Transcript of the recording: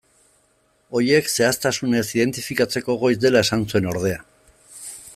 Horiek zehaztasunez identifikatzeko goiz dela esan zuen ordea.